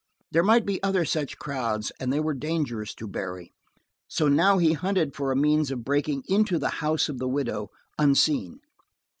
There might be other such crowds, and they were dangerous to Barry, so now he hunted for a means of breaking into the house of the widow unseen.